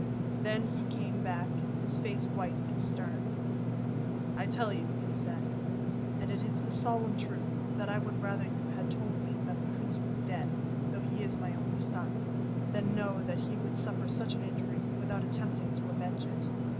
Then he came back, his face white and stern. 'I tell you,' he said, 'and it is the solemn truth, that I would rather you had told me that the prince was dead, though he is my only son, than know that he would suffer such an injury without attempting to avenge it.